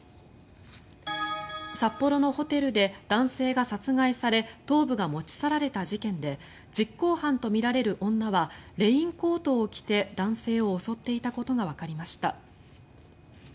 札幌のホテルで男性が殺害され頭部が持ち去られた事件で実行犯とみられる女はレインコートを着て男性を襲っていたことがわかりました。